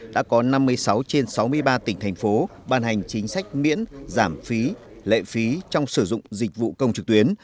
đã có năm mươi sáu trên sáu mươi ba tỉnh thành phố ban hành chính sách miễn giảm phí lệ phí trong sử dụng dịch vụ công trực tuyến